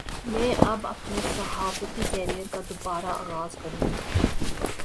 میں اب اپنے صحافتی کیریئر کا دوبارہ آغاز کرونگی